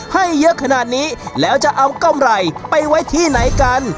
ให้เยอะขนาดนี้แล้วจะเอากำไรไปไว้ที่ไหนกัน